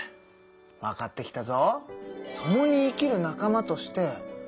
わかってきたぞ！